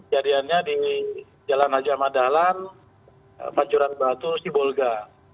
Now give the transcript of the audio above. jadinya di jalan haja madalan panjuran batu sibolga